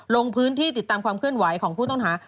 ลงพื้นที่ติดตามความเคลื่อนไหวของผู้ต้องหา